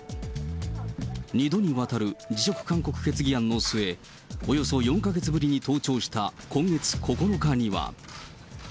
２度にわたる辞職勧告決議案の末、およそ４か月ぶりに登庁した今月９日には。